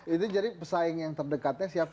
itu jadi pesaing yang terdekatnya siapa